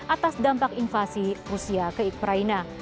atas dampak invasi rusia ke ukraina